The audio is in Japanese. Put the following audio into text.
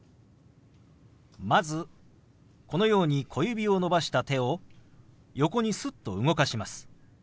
まずこのように小指を伸ばした手を横にすっと動かします。